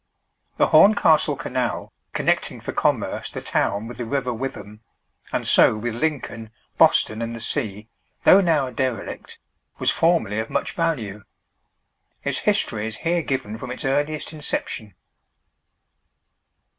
The Horncastle Canal, connecting for commerce the town with the river Witham, and so with Lincoln, Boston, and the sea, though now a derelict, was formerly of much value. Its history is here given from its earliest inception.